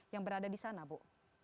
yang berada di sana bu